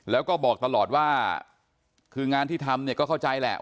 แล้วก็บอกตลอดว่าคืองานที่ทำเนี่ยก็เข้าใจแหละ